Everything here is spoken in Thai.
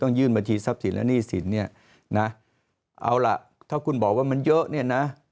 ยื่นบัญชีทรัพย์สินและหนี้สินเนี่ยนะเอาล่ะถ้าคุณบอกว่ามันเยอะเนี่ยนะ